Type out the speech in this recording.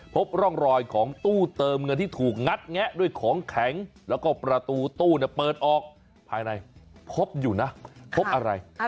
พบร่องรอยของตู้เติมเงินที่ถูกงัดแงะด้วยของแข็งแล้วก็ประตูตู้เปิดออกภายในพบอยู่นะพบอะไร